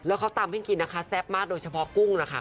แล้วเขาตำให้กินนะคะแซ่บมากโดยเฉพาะกุ้งนะคะ